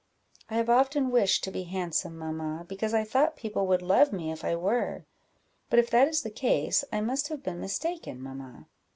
"I have often wished to be handsome, mamma, because I thought people would love me if I were; but if that is the case, I must have been mistaken, mamma."